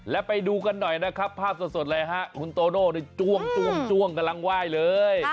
และไปดูกันหน่อยนะครับภาพสดเลยฮะคุณโตโน่จ้วงกำลังไหว้เลย